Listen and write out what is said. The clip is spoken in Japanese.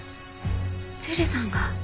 樹里さんが？